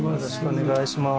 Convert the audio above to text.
お願いします。